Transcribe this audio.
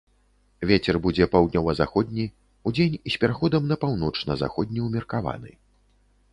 Вецер будзе паўднёва-заходні, удзень з пераходам на паўночна-заходні ўмеркаваны.